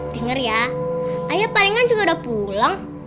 dengar ya ayah palingan juga udah pulang